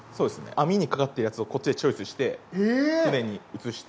網にかかってるやつをこっちでチョイスして船に移して。